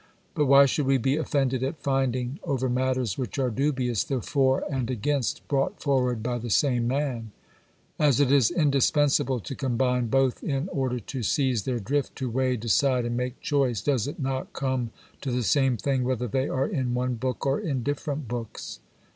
But why should we be offended at finding, over matters which are dubious, the for and against brought forward by the same man ? As it is indispensable to combine both in order to seize their drift, to weigh, decide and make choice, does it not come to the same thing whether they are in one book or in different books